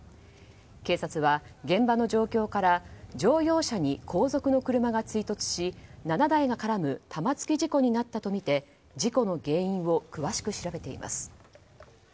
警察は現場の状況から乗用車に後続の車が追突し７台が絡む玉突き事故になったとみて事故の原因を詳しく調べています。